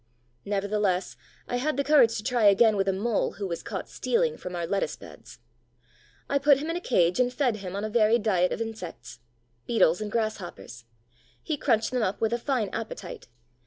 Nevertheless, I had the courage to try again with a Mole who was caught stealing from our lettuce beds. I put him in a cage and fed him on a varied diet of insects—Beetles and Grasshoppers. He crunched them up with a fine appetite.